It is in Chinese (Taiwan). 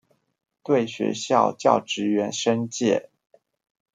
對學校教職員申誡